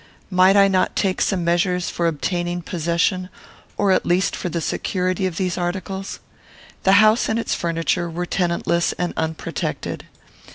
Might I not take some measures for obtaining possession, or at least for the security, of these articles? The house and its furniture were tenantless and unprotected.